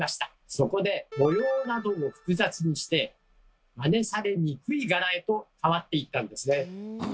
そこで模様などを複雑にしてマネされにくい柄へと変わっていったんですね。